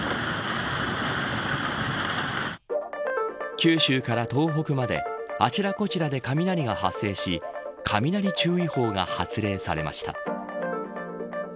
九州から東北まであちらこちらで雷が発生し雷注意報が発令されました。